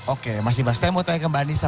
oke mas ibas saya mau tanya ke mbak anissa